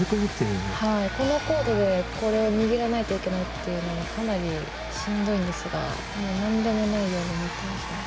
この高度で握らないといけないというのはかなりしんどいんですがなんでもないように登ってます。